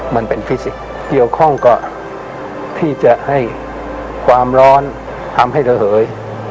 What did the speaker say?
มันเป็นฟิสิกส์เกี่ยวข้องกับที่จะให้ความร้อนทำให้ระเหย